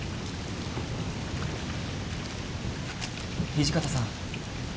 土方さん。